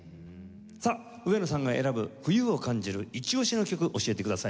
さあ上野さんが選ぶ冬を感じるイチ押しの曲教えてください。